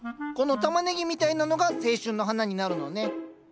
このタマネギみたいなのが青春の花になるのね。